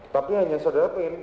tapi hanya saudara ingin